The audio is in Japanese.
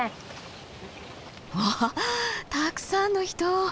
わあたくさんの人！